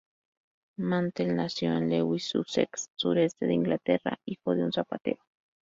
Mantell nació en Lewes, Sussex —sureste de Inglaterra—, hijo de un zapatero.